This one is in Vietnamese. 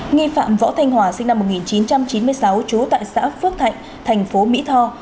nghi phạm võ thanh hòa sinh năm một nghìn chín trăm chín mươi sáu trú tại xã phước thạnh thành phố mỹ tho